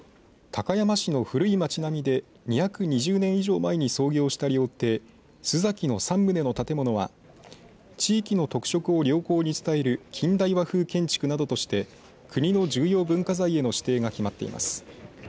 高山市の古い町並みで２２０年以上前に創業した料亭、洲さきの３棟の建物は地域の特色を良好に伝える近代和風建築などとして国の重要文化財への指定が決まっています。